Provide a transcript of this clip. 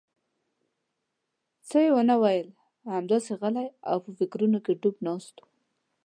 څه یې ونه ویل، همداسې غلی او په فکرونو کې ډوب ناست و.